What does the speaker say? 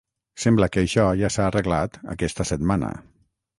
Sembla que això ja s’ha arreglat aquesta setmana.